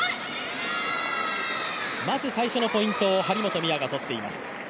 まず最初のポイントを張本美和が取っています。